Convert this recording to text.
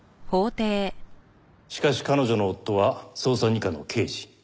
しかし彼女の夫は捜査二課の刑事。